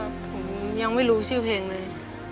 ผมยังไม่รู้ชื่อเพลงเลย